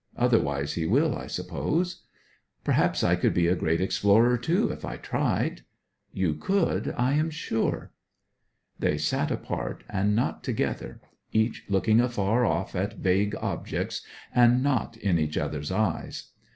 Otherwise he will, I suppose.' 'Perhaps I could be a great explorer, too, if I tried.' 'You could, I am sure.' They sat apart, and not together; each looking afar off at vague objects, and not in each other's eyes.